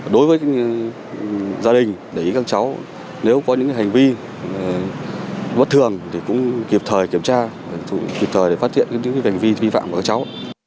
đối với gia đình để ý các cháu nếu có những hành vi bất thường thì cũng kịp thời kiểm tra kịp thời để phát hiện những hành vi vi phạm của các cháu